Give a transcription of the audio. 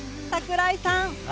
櫻井さん。